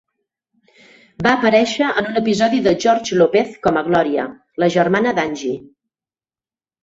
Va aparèixer en un episodi de George Lopez com a Glòria, la germana d'Angie.